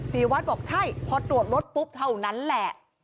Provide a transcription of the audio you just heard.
ปีวัฒน์บอกใช่พอตรวจรถปุ๊บเท่านั้นแหละ